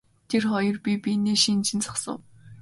Тэр хоёр бие биенээ шинжин зогсов.